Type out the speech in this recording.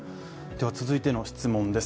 続いての質問です。